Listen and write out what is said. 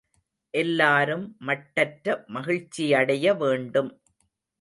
எல்லாரும் மட்டற்ற மகிழ்ச்சியடைய வேண்டும்.